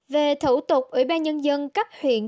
về thủ tục ủy ban nhân dân các huyện